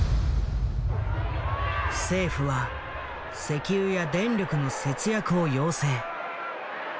政府は石油や電力の節約を要請。